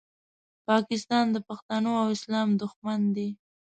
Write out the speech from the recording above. پاکستان د پښتنو او اسلام دوښمن دی